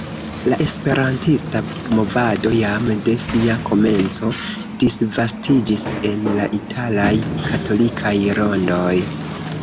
La Esperantista movado jam de sia komenco disvastiĝis en la italaj katolikaj rondoj.